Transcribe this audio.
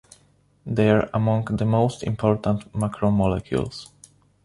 They are among the most important macromolecules.